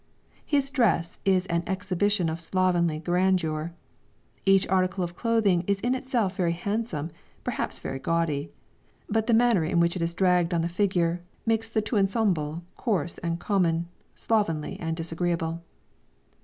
His dress is an exhibition of slovenly grandeur. Each article of clothing is in itself very handsome, perhaps very gaudy; but the manner in which it is dragged on the figure, makes the tout ensemble coarse and common, slovenly and disagreeable.